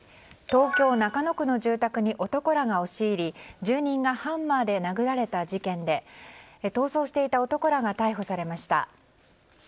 東京・中野区の住宅に男らが押し入り住人がハンマーで殴られた事件で逃走していた男らが逮捕されました。